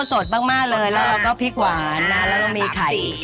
ใส่ปลาหมึกแล้วใส่ปลาหมึกแล้ว